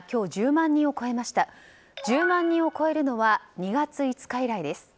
１０万人を超えるのは２月５日以来です。